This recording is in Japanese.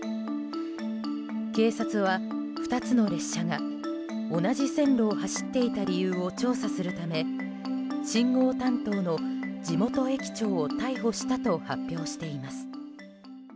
警察は、２つの列車が同じ線路を走っていた理由を調査するため信号担当の地元駅長を逮捕したと発表しています。